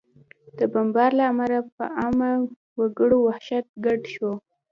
د بمبار له امله په عامه وګړو وحشت ګډ شو